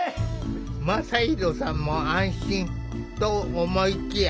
真大さんも安心！と思いきや